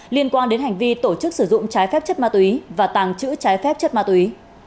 liên quan đến hành vi tổ chức sử dụng trái phép chất ma túy và tàng trữ trái phép chất ma túy